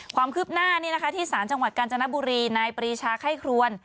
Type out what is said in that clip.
ความคืบหน้าที่สารจังหวัดกาญจนบุรีนายปรีชาไข้ครวน